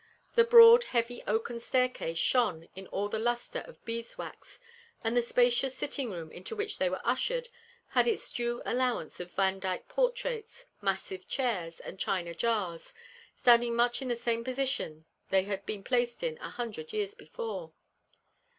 The broad heavy oaken staircase shone in all the lustre of bees' wax; and the spacious sitting room into which they were ushered had its due allowance of Vandyke portraits, massive chairs, and china jars, standing much in the same positions they had been placed in a hundred years before.